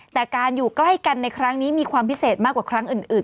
แต่การอยู่ใกล้กันในครั้งนี้มีความพิเศษมากกว่าครั้งอื่น